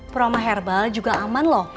trauma herbal juga aman loh